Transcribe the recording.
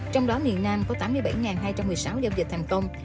trong đó miền nam có tám mươi bảy hai trăm một mươi sáu giao dịch thành công